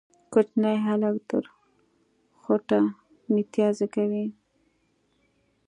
کوچنی هلک تر خوټه ميتيازې کوي